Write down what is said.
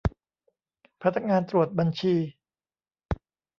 พนักงานตรวจบัญชี